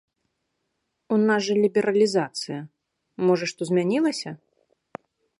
У нас жа лібералізацыя, можа што змянілася?